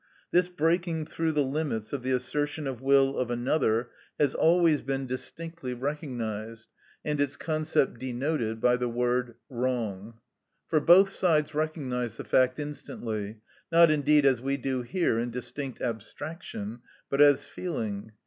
This breaking through the limits of the assertion of will of another has always been distinctly recognised, and its concept denoted by the word wrong. For both sides recognise the fact instantly, not, indeed, as we do here in distinct abstraction, but as feeling.